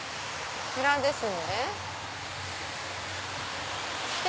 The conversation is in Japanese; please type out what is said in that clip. こちらですね。